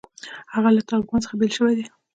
هغه له طالبانو څخه بېل شوی دی.